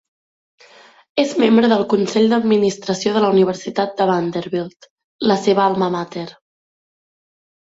És membre del consell d'administració de la Universitat de Vanderbilt, la seva alma mater.